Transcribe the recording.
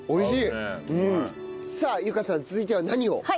さあ由佳さん続いては何を？